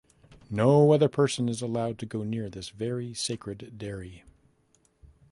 No other person is allowed to go near this very sacred dairy.